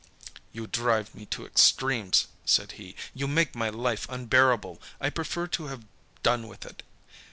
"You drive me to extremes," said he, "you make my life unbearable. I prefer to have done with it.